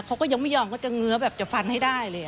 เขาก็ยังไม่ยอมก็จะเงื้อแบบจะฟันให้ได้เลย